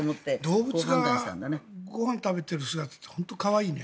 動物がご飯を食べている姿って本当に可愛いね。